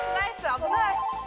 危ない。